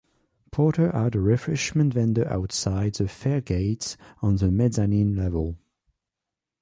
Porter had a refreshment vendor outside the fare gates on the mezzanine level.